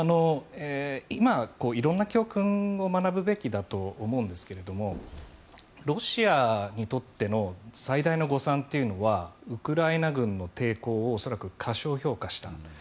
今、色々な教訓を学ぶべきだと思うんですがロシアにとっての最大の誤算というのはウクライナ軍の抵抗を恐らく過小評価したこと。